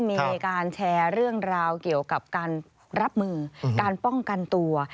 มีการแชร์เรื่องราวเกี่ยวกับการรับมือการป้องกันตัว